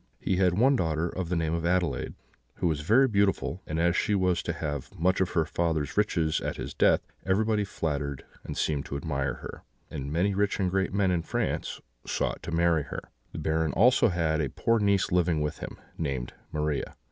He had one daughter, of the name of Adelaide, who was very beautiful; and as she was to have much of her father's riches at his death, everybody flattered and seemed to admire her, and many rich and great men in France sought to marry her. The Baron had also a poor niece living with him, named Maria.